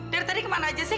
dari tadi kemana aja sih